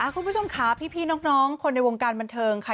คุณผู้ชมค่ะพี่น้องคนในวงการบันเทิงค่ะ